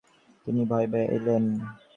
এলেও খুব ভয়ে ভয়ে আসবে।